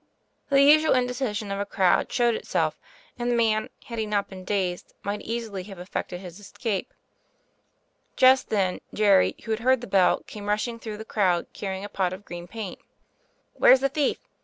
The usual indecision of a crowd showed it self; and the man, had he not been dazed, might easily have effected his escape. Just then, Jerry, who had heard the bell, came rushing through the crowd carrying a pot of green paint. "Where's the thief